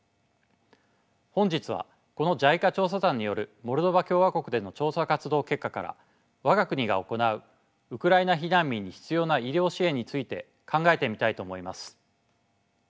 本日はこのＪＩＣＡ調査団によるモルドバ共和国での調査活動結果から我が国が行うウクライナ避難民に必要な医療支援について考えてみたいと思います。